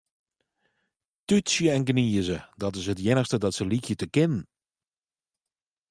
Tútsje en gnize, dat is it iennichste dat se lykje te kinnen.